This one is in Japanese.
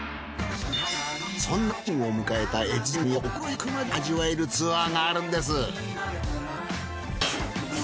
そんな旬を迎えた越前ガニを心ゆくまで味わえるツアーがあるんです。